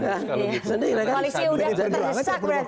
koalisi sudah terdesak